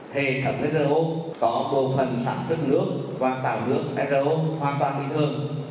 hệ thống ro có bộ phần sản xuất nước và tạo được ro hoàn toàn bình thường